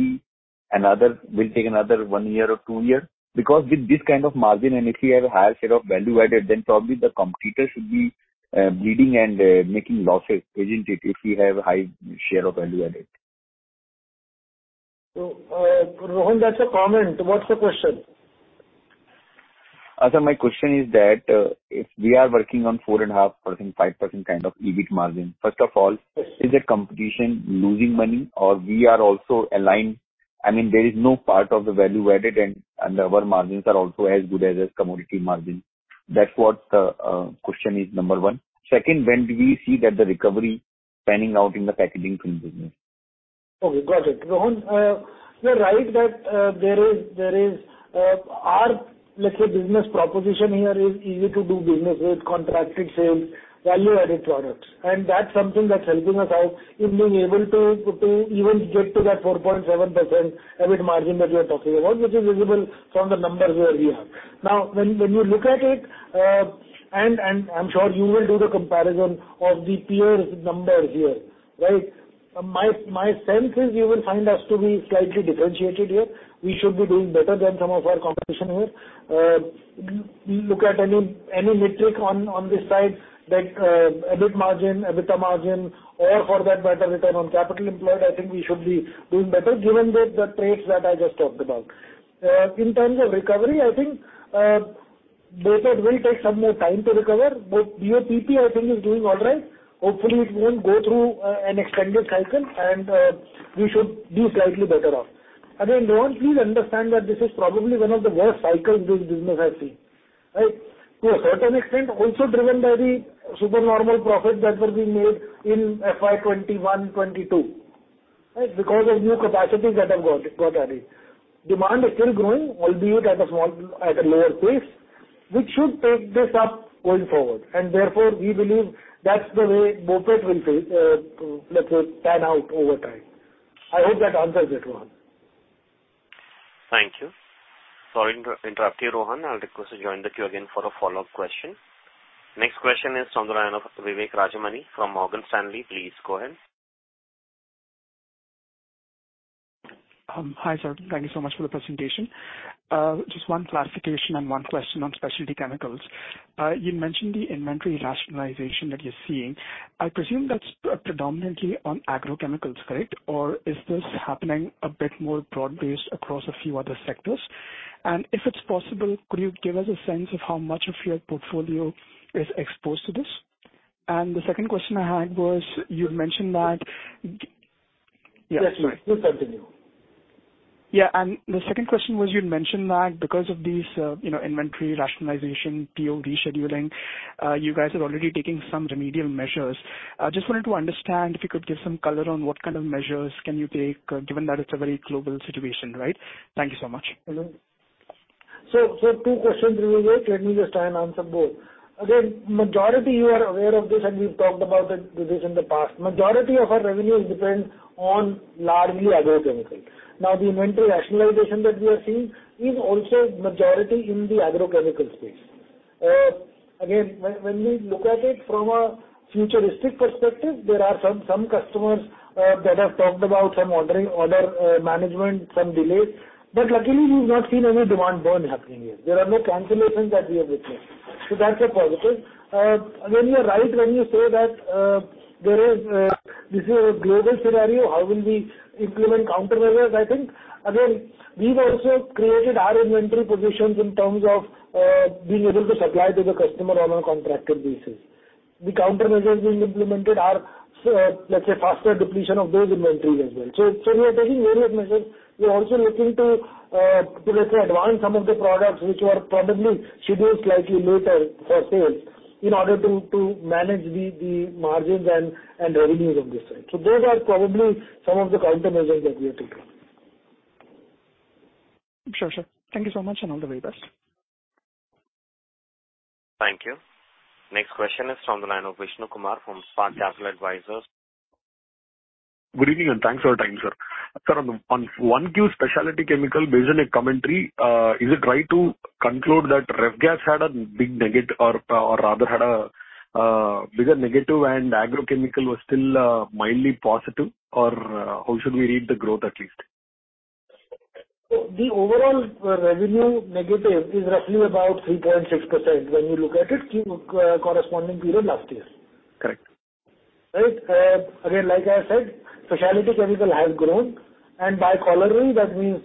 take another 1 year or 2 year? With this kind of margin, and if you have a higher share of value added, then probably the competitor should be leading and making losses, isn't it, if you have a high share of value added? Rohan, that's a comment. What's the question? Sir, my question is that, if we are working on 4.5%, 5% kind of EBIT margin, first of all, is the competition losing money or we are also aligned? I mean, there is no part of the value added, and our margins are also as good as a commodity margin. That's what the question is, number one. Second, when do we see that the recovery panning out in the packaging film business? Okay, got it. Rohan, you're right, that, there is our, let's say, business proposition here is easy to do business with contracted sales, value-added products, and that's something that's helping us out in being able to even get to that 4.7% EBIT margin that you're talking about, which is visible from the numbers where we are. Now, when you look at it, and I'm sure you will do the comparison of the peer's numbers here, right? My sense is you will find us to be slightly differentiated here. We should be doing better than some of our competition here. Look at any metric on this side, like EBIT margin, EBITDA margin, or for that matter, return on capital employed, I think we should be doing better, given the traits that I just talked about. In terms of recovery, I think data will take some more time to recover, BOPET, I think, is doing all right. Hopefully, it wouldn't go through an extended cycle, we should be slightly better off. Rohan, please understand that this is probably one of the worst cycles this business has seen, right? To a certain extent, also driven by the super normal profits that were being made in FY 2021, 2022, right, because of new capacities that have got added. Demand is still growing, albeit at a small, at a lower pace, which should take this up going forward. Therefore, we believe that's the way BOPET let's say, pan out over time. I hope that answers it, Rohan. Thank you. Sorry to interrupt you, Rohan. I'll request you join the queue again for a follow-up question. Next question is from the line of Vivek Rajamani from Morgan Stanley. Please go ahead. Hi, sir. Thank you so much for the presentation. Just one clarification and one question on specialty chemicals. You mentioned the inventory rationalization that you're seeing. I presume that's predominantly on agrochemicals, correct? Or is this happening a bit more broad-based across a few other sectors? If it's possible, could you give us a sense of how much of your portfolio is exposed to this? The second question I had was, you'd mentioned that- Yes, please continue. The second question was, you'd mentioned that because of these, you know, inventory rationalization, PO rescheduling, you guys are already taking some remedial measures. I just wanted to understand, if you could give some color on what kind of measures can you take, given that it's a very global situation, right? Thank you so much. Two questions were raised. Let me just try and answer both. Majority, you are aware of this, and we've talked about it, this in the past. Majority of our revenue is dependent on largely agrochemicals. Now, the inventory rationalization that we are seeing is also majority in the agrochemical space. Again, when we look at it from a futuristic perspective, there are some customers that have talked about some ordering, management, some delays, but luckily, we've not seen any demand burn happening here. There are no cancellations that we have witnessed. That's a positive. Again, you're right when you say that there is. This is a global scenario, how will we implement countermeasures? I think, again, we've also created our inventory positions in terms of being able to supply to the customer on a contracted basis. The countermeasures being implemented are, let's say, faster depletion of those inventories as well. We are taking various measures. We're also looking to, let's say, advance some of the products which were probably scheduled slightly later for sale, in order to manage the margins and revenues of this side. Those are probably some of the countermeasures that we are taking. Sure, sure. Thank you so much. All the very best. Thank you. Next question is from the line of Vishnu Kumar from Spark Capital Advisors. Good evening. Thanks for your time, sir. Sir, on 1Q Specialty Chemicals, based on your commentary, is it right to conclude that Ref Gas had a big negative or rather had a bigger negative and agrochemical was still mildly positive? How should we read the growth, at least? The overall revenue negative is roughly about 3.6% when you look at it, corresponding period last year. Correct. Right. Again, like I said, Specialty Chemicals has grown, and by corollary, that means.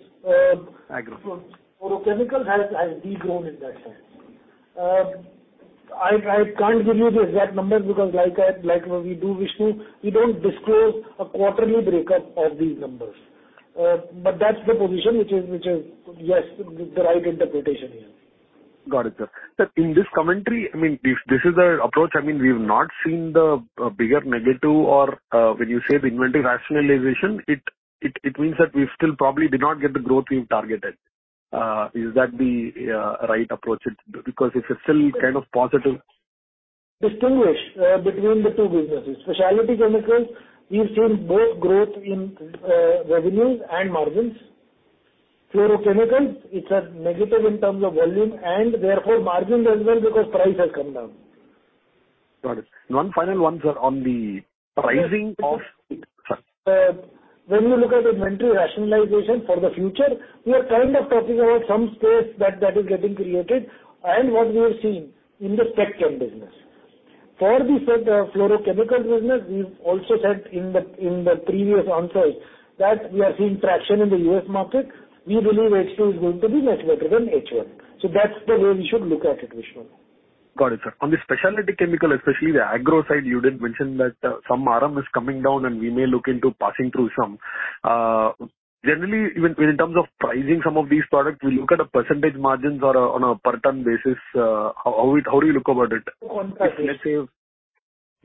Agro. Fluorochemicals has de-grown in that sense. I can't give you the exact numbers because like I, like we do, Vishnu, we don't disclose a quarterly breakup of these numbers. That's the position, which is, yes, the right interpretation here. Got it, sir. Sir, in this commentary, I mean, if this is the approach, I mean, we've not seen the bigger negative or, when you say the inventory rationalization, it means that we still probably did not get the growth we've targeted. Is that the right approach? Because if you're still kind of positive. Distinguish, between the two businesses. Specialty Chemicals, we've seen both growth in, revenues and margins. Fluorochemical, it's a negative in terms of volume and therefore margin as well, because price has come down. Got it. One final one, sir, on the pricing? When you look at inventory rationalization for the future, we are kind of talking about some space that is getting created and what we have seen in the Spec Chem Business. For the Fluorochemicals Business, we've also said in the, in the previous answers, that we are seeing traction in the U.S. market. We believe H2 is going to be better than H1. That's the way you should look at it, Vishnu. Got it, sir. On the specialty chemical, especially the agro side, you did mention that some RM is coming down and we may look into passing through some. Generally, in terms of pricing some of these products, we look at a percentage margins or on a per ton basis. How do you look about it?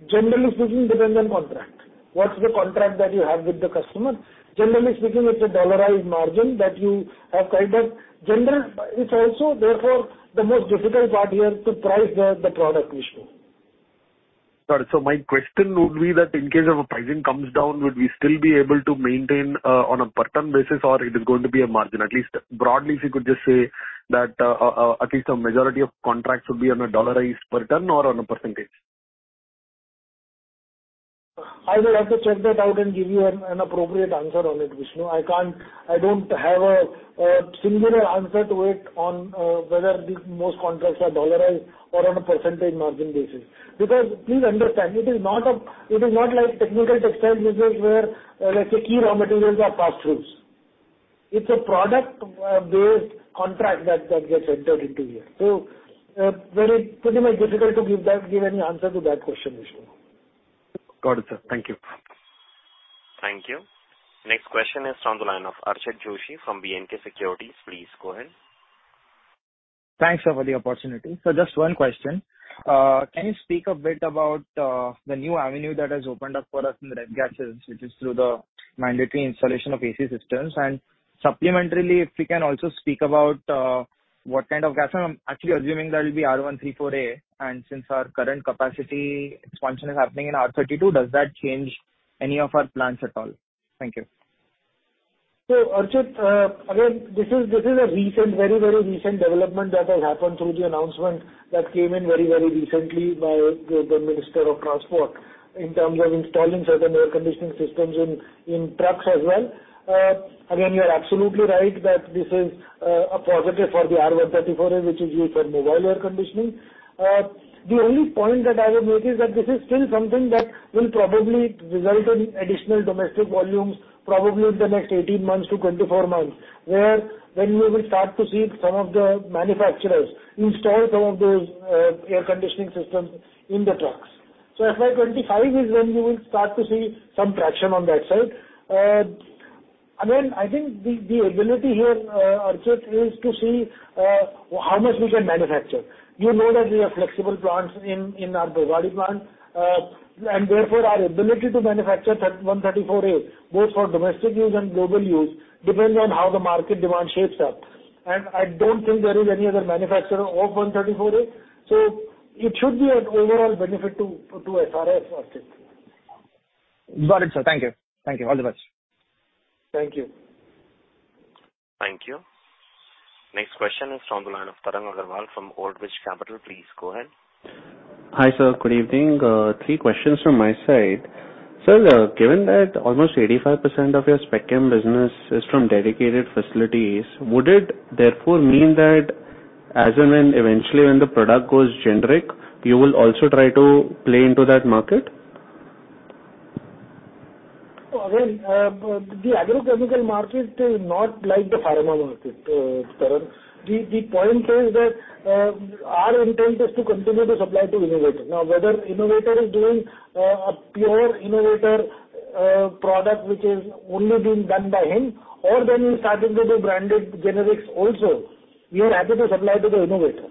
Generally speaking, depends on contract. What's the contract that you have with the customer? Generally speaking, it's a dollarized margin that you have tied up. It's also therefore, the most difficult part here to price the product, Vishnu. Got it. My question would be that in case of a pricing comes down, would we still be able to maintain on a per ton basis, or it is going to be a margin? At least broadly, if you could just say that at least a majority of contracts would be on a dollarized per ton or on a percentage. I will have to check that out and give you an appropriate answer on it, Vishnu. I don't have a singular answer to it on whether the most contracts are dollarized or on a percentage margin basis. Please understand, it is not like technical textile business where let's say, key raw materials are pass-throughs. It's a product based contract that gets entered into here. very pretty much difficult to give that give any answer to that question, Vishnu. Got it, sir. Thank you. Thank you. Next question is from the line of Archit Joshi from B&K Securities. Please go ahead. Thanks for the opportunity. Just one question. Can you speak a bit about the new avenue that has opened up for us in the ref gases, which is through the mandatory installation of AC systems? Supplementarily, if you can also speak about what kind of gas, I'm actually assuming that will be R134A, and since our current capacity expansion is happening in R-32, does that change any of our plans at all? Thank you. Archit, again, this is a recent, very, very recent development that has happened through the announcement that came in very, very recently by the Minister of Transport, in terms of installing certain air conditioning systems in trucks as well. Again, you're absolutely right that this is a positive for the R134A, which is used for mobile air conditioning. The only point that I would make is that this is still something that will probably result in additional domestic volumes, probably in the next 18 months to 24 months, where then we will start to see some of the manufacturers install some of those air conditioning systems in the trucks. FY25 is when you will start to see some traction on that side. Again, I think the ability here, Archit, is to see how much we can manufacture. You know that we have flexible plants in our Bhiwandi plant, and therefore, our ability to manufacture 134A, both for domestic use and global use, depends on how the market demand shapes up. I don't think there is any other manufacturer of 134A, it should be an overall benefit to SRF, Archit. Got it, sir. Thank you. Thank you. All the best. Thank you. Thank you. Next question is from the line of Tarang Agrawal from Old Bridge Capital. Please go ahead. Hi, sir. Good evening. Three questions from my side. Sir, given that almost 85% of your Spec Chem business is from dedicated facilities, would it therefore mean that as and when, eventually when the product goes generic, you will also try to play into that market? Well, again, the agrochemical market is not like the pharma market, Tarang. The point is that our intent is to continue to supply to innovator. Now, whether innovator is doing a pure innovator product, which is only being done by him, or then he's starting to do branded generics also, we are happy to supply to the innovator.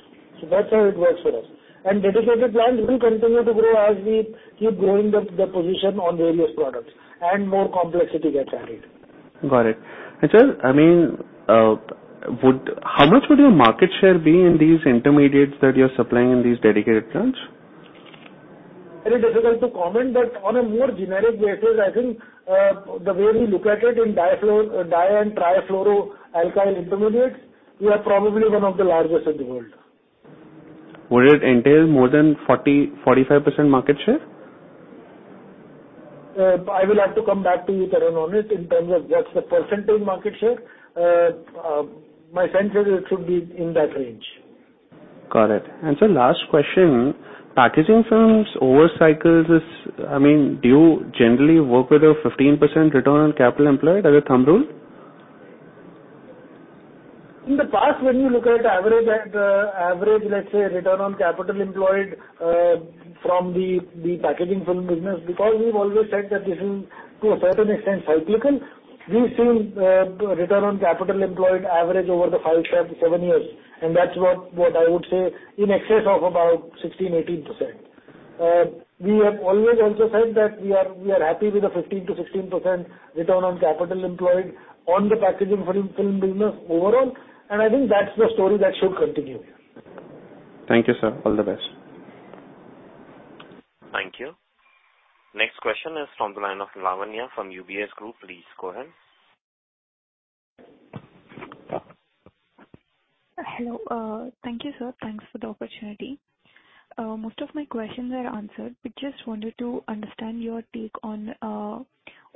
That's how it works for us. Dedicated plans will continue to grow as we keep growing the position on various products and more complexity gets added. Got it. Sir, I mean, how much would your market share be in these intermediates that you're supplying in these dedicated plants? Very difficult to comment, but on a more generic basis, I think, the way we look at it, in di and trifluoroalkyl intermediates, we are probably one of the largest in the world. Would it entail more than 40-45% market share? I will have to come back to you, Tarang, on it. In terms of just the % market share, my sense is it should be in that range. Got it. Sir, last question: packaging films over cycles, I mean, do you generally work with a 15% return on capital employed, as a thumb rule? In the past, when you look at the average, let's say, return on capital employed from the packaging film business, because we've always said that this is, to a certain extent, cyclical, we've seen return on capital employed average over the five to seven years, and that's what I would say, in excess of about 16%-18%. We have always also said that we are happy with the 15%-16% return on capital employed on the packaging film business overall, and I think that's the story that should continue. Thank you, sir. All the best. Thank you. Next question is from the line of Lavanya from UBS Group. Please go ahead. Hello. Thank you, sir. Thanks for the opportunity. Most of my questions are answered, but just wanted to understand your take on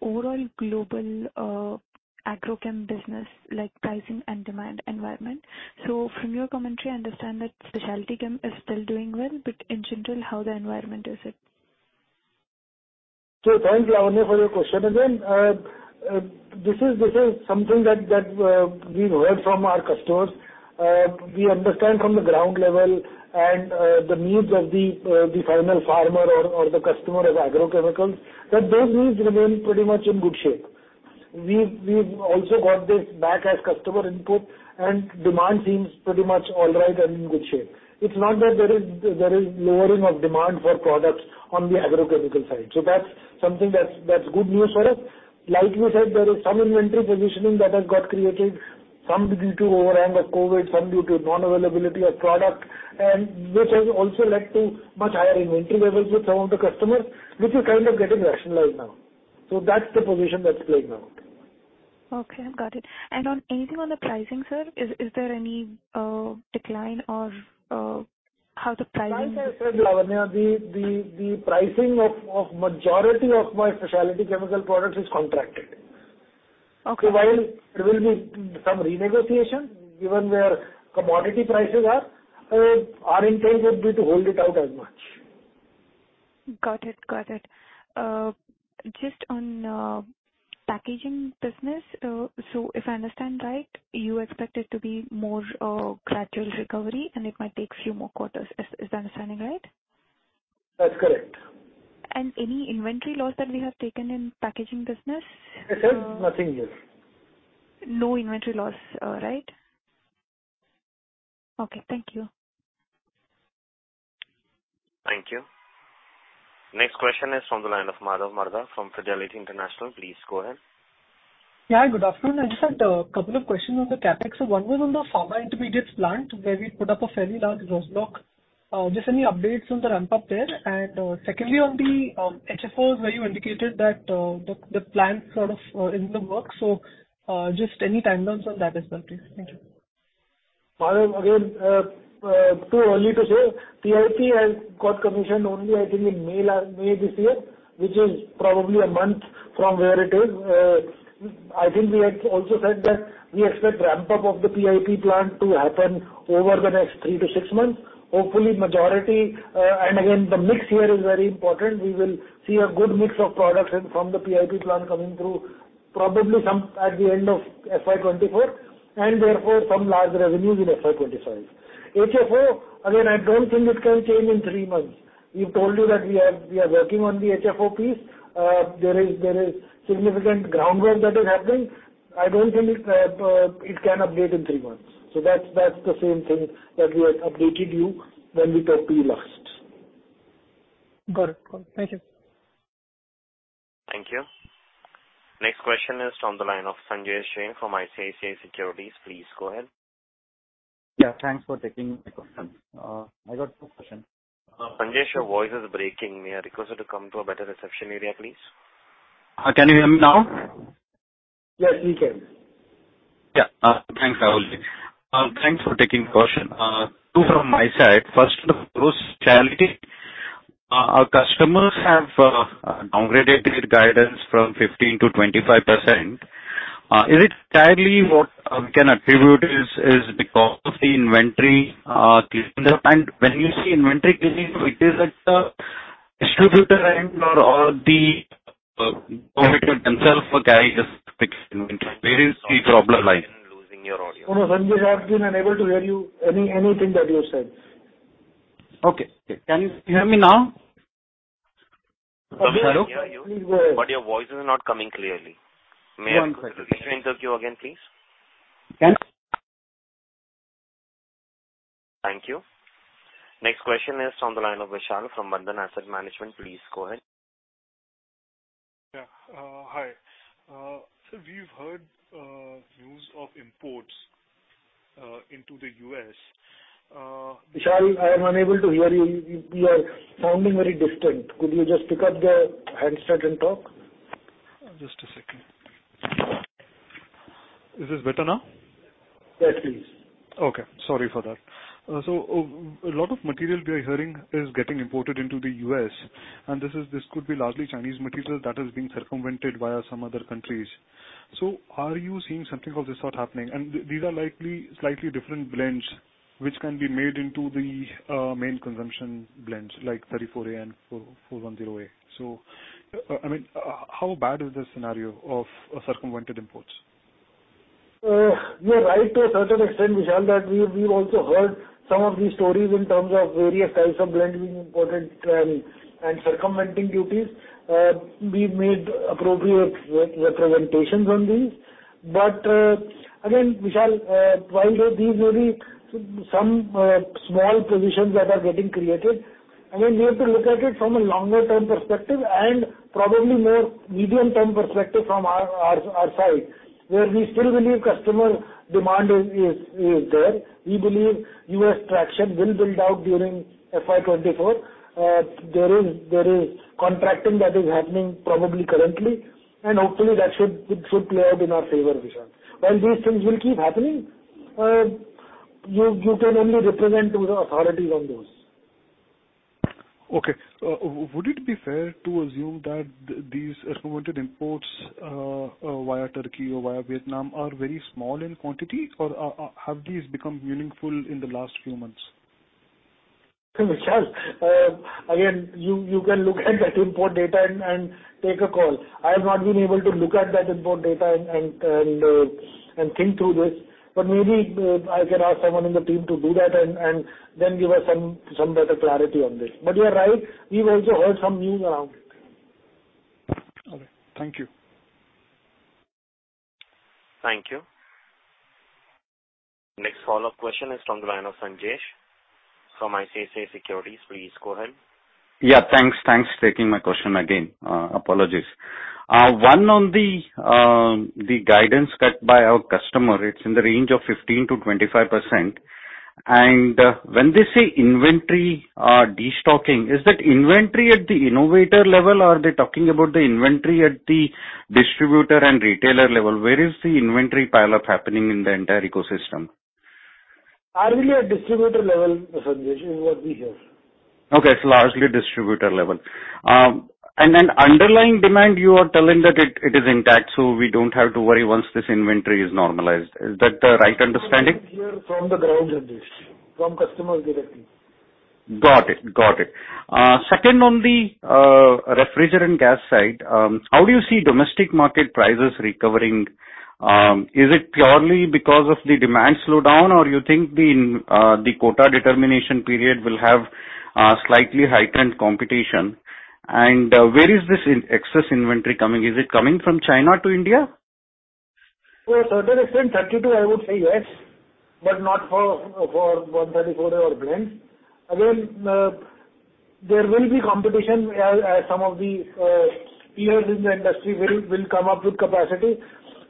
overall global agrochem business, like pricing and demand environment. From your commentary, I understand that Spec Chem is still doing well, but in general, how the environment is it? Thank you, Lavanya, for your question. Then this is something that we've heard from our customers. We understand from the ground level and the needs of the final farmer or the customer of agrochemicals, that those needs remain pretty much in good shape. We've also got this back as customer input, demand seems pretty much all right and in good shape. It's not that there is lowering of demand for products on the agrochemical side. That's something that's good news for us. Like we said, there is some inventory positioning that has got created, some due to overhang of COVID, some due to non-availability of product, which has also led to much higher inventory levels with some of the customers, which is kind of getting rationalized now. That's the position that's playing out. Okay, got it. On anything on the pricing, sir, is there any decline or how the pricing? The pricing, Lavanya, the pricing of majority of my specialty chemical products is contracted. Okay. While there will be some renegotiation, given where commodity prices are, our intent would be to hold it out as much. Got it. Just on packaging business, if I understand right, you expect it to be more gradual recovery, and it might take a few more quarters. Is my understanding right? That's correct. Any inventory loss that we have taken in packaging business? No, sir, nothing yet. No inventory loss, right? Okay, thank you. Thank you. Next question is from the line of Madhav Marda from Fidelity International. Please go ahead. Yeah, good afternoon. I just had a couple of questions on the CapEx. One was on the Pharma Intermediates Plant, where we put up a fairly large rose block. Just any updates on the ramp up there? Secondly, on the HFOs, where you indicated that the plan sort of is in the works, just any timelines on that as well, please. Thank you. Well, again, too early to say. PIP has got commissioned only, I think in May this year, which is probably a month from where it is. I think we had also said that we expect ramp-up of the PIP plant to happen over the next 3-6 months. Hopefully, majority, and again, the mix here is very important. We will see a good mix of products from the PIP plant coming through, probably some at the end of FY 2024, Therefore, some large revenues in FY 2025. HFO, again, I don't think it can change in three months. We've told you that we are working on the HFO piece. There is significant groundwork that is happening. I don't think it can update in 3 months. That's the same thing that we had updated you when we talked to you last. Got it. Got it. Thank you. Thank you. Next question is on the line of Sanjesh Jain from ICICI Securities. Please go ahead. Yeah, thanks for taking my question. I got two question. Sanjesh, your voice is breaking. May I request you to come to a better reception area, please? Can you hear me now? Yes, we can. Yeah. Thanks, I will do. Thanks for taking the question. Two from my side. First, on the growth charity, our customers have downgraded their guidance from 15%-25%. Is it entirely what we can attribute is because of the inventory cleanup? When you say inventory cleanup, it is at the distributor end or the themselves for just fixed inventory. Where is the problem lying? Losing your audio. Oh, no, Sanjay, I've been unable to hear you, any, anything that you have said. Okay. Can you hear me now? We can hear you, but your voice is not coming clearly. One second. May I interrupt you again, please? Yes. Thank you. Next question is on the line of Vishal from Bandhan Asset Management. Please go ahead. Yeah. Hi. We've heard news of imports into the U.S. Vishal, I am unable to hear you. You are sounding very distant. Could you just pick up the handset and talk? Just a second. Is this better now? Yes, please. Okay. Sorry for that. A lot of material we are hearing is getting imported into the U.S., and this could be largely Chinese material that is being circumvented via some other countries. Are you seeing something of this sort happening? And these are likely slightly different blends, which can be made into the main consumption blends like 34A and 410A. I mean, how bad is this scenario of circumvented imports? You're right to a certain extent, Vishal, that we've also heard some of these stories in terms of various types of blends being imported and circumventing duties. We've made appropriate representations on these. Again, Vishal, while these may be some small positions that are getting created, we have to look at it from a longer term perspective and probably more medium-term perspective from our side, where we still believe customer demand is there. We believe U.S. traction will build out during FY 2024. There is contracting that is happening probably currently, and hopefully that should play out in our favor, Vishal. While these things will keep happening, you can only represent to the authorities on those. Okay. Would it be fair to assume that these circumvented imports, via Turkey or via Vietnam, are very small in quantity? Have these become meaningful in the last few months? Vishal, again, you can look at that import data and take a call. I have not been able to look at that import data and think through this, but maybe I can ask someone in the team to do that and then give us some better clarity on this. You are right, we've also heard some news around it. Okay. Thank you. Thank you. Next follow-up question is from the line of Sanjesh from ICICI Securities. Please go ahead. Thanks. Thanks for taking my question again. Apologies. One on the guidance cut by our customer, it's in the range of 15%-25%. When they say inventory destocking, is that inventory at the innovator level, or are they talking about the inventory at the distributor and retailer level? Where is the inventory pile-up happening in the entire ecosystem? Largely at distributor level, Sanjesh, is what we hear. It's largely distributor level. underlying demand, you are telling that it is intact, so we don't have to worry once this inventory is normalized. Is that the right understanding? From the ground, Sanjesh, from customers directly. Got it. Got it. Second, on the refrigerant gas side, how do you see domestic market prices recovering? Is it purely because of the demand slowdown, or you think the quota determination period will have slightly heightened competition? Where is this excess inventory coming? Is it coming from China to India? To a certain extent, 32, I would say yes, but not for 134 or blends. There will be competition as some of the players in the industry will come up with capacity.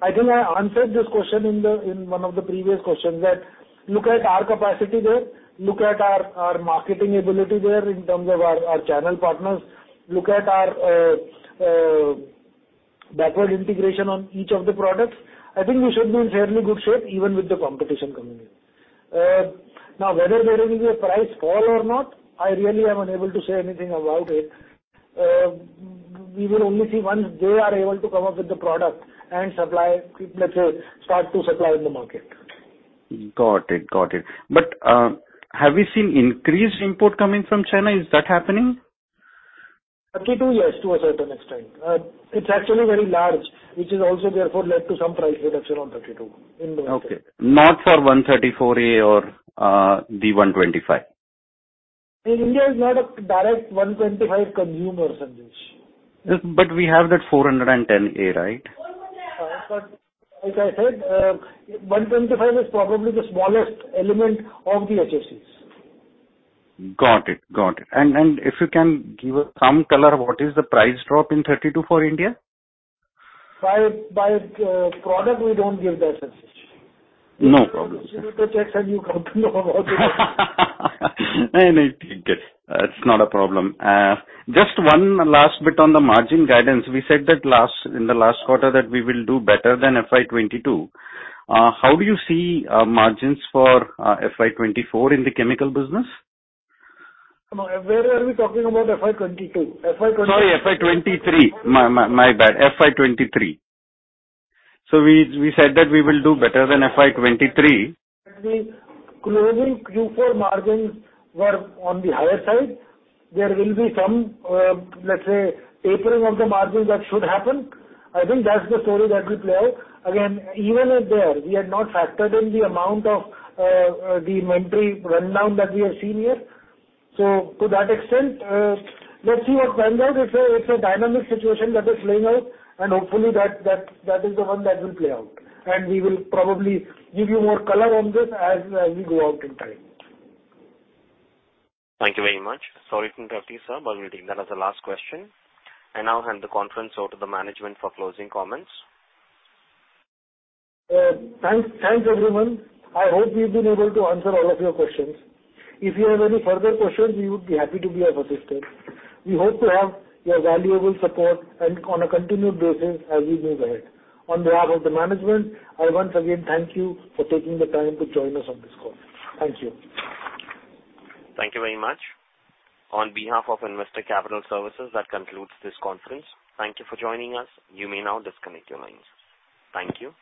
I think I answered this question in one of the previous questions, that look at our capacity there, look at our marketing ability there in terms of our channel partners, look at our backward integration on each of the products. I think we should be in fairly good shape, even with the competition coming in. Whether there will be a price fall or not, I really am unable to say anything about it. We will only see once they are able to come up with the product and supply, let's say, start to supply in the market. Got it. Have we seen increased import coming from China? Is that happening? R-32, yes, to a certain extent. It's actually very large, which is also therefore led to some price reduction on R-32 in the market. Okay. Not for R-134A or the R-125. India is not a direct one twenty-five consumer, Sanjesh. Yes, we have that R-410A, right? like I said, 125 is probably the smallest element of the HSGs. Got it. Got it. If you can give us some color, what is the price drop in 32 for India? By product, we don't give that, Sanjesh. No problem. You need to check and you come to know about it. That's not a problem. Just one last bit on the margin guidance. We said that in the last quarter, that we will do better than FY 2022. How do you see margins for FY 2024 in the chemical business? Where are we talking about FY 22? Sorry, FY 2023. My bad. FY 2023. We said that we will do better than FY 2023. The closing Q4 margins were on the higher side. There will be some, let's say, tapering of the margins that should happen. I think that's the story that we play. Again, even if there, we have not factored in the amount of the inventory rundown that we have seen here. To that extent, let's see what pans out. It's a, it's a dynamic situation that is playing out, and hopefully that is the one that will play out. We will probably give you more color on this as we go out in time. Thank you very much. Sorry to interrupt you, sir, but we think that was the last question. I now hand the conference over to the management for closing comments. Thanks, everyone. I hope we've been able to answer all of your questions. If you have any further questions, we would be happy to be of assistance. We hope to have your valuable support on a continued basis as we move ahead. On behalf of the management, I once again thank you for taking the time to join us on this call. Thank you. Thank you very much. On behalf of Investec Capital Services, that concludes this conference. Thank you for joining us. You may now disconnect your lines. Thank you.